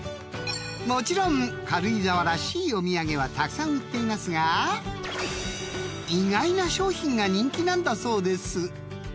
［もちろん軽井沢らしいお土産はたくさん売っていますが意外な商品が人気なんだそうです］